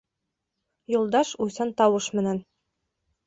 Юлдаш уйсан тауыш менән: